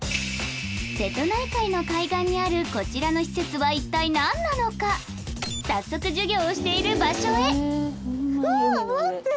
瀬戸内海の海岸にあるこちらの施設は早速授業をしている場所へうわ待って！